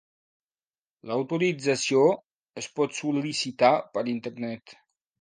L'autorització es pot sol·licitar per Internet.